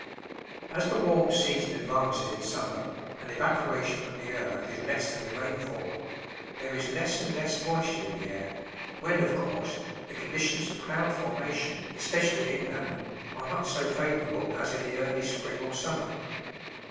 As the warm season advances in summer, and evaporation from the earth is less than the rainfall, there is less and less moisture in the air, when, of course, the conditions for cloud formation, especially inland, are not so favorable as in the early spring or summer.